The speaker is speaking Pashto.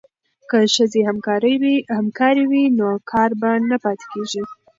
که ښځې همکارې وي نو کار به نه پاتې کیږي.